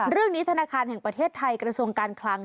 เรื่องนี้ธนาคารแห่งประเทศไทยกระทรวงการคลัง